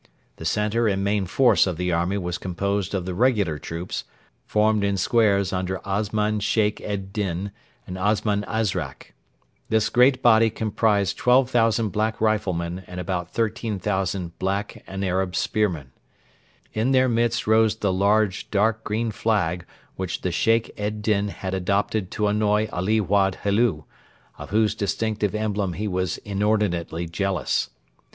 The centre and main force of the army was composed of the regular troops, formed in squares under Osman Sheikh ed Din and Osman Azrak. This great body comprised 12,000 black riflemen and about 13,000 black and Arab spearmen. In their midst rose the large, dark green flag which the Sheikh ed Din had adopted to annoy Ali Wad Helu, of whose distinctive emblem he was inordinately jealous.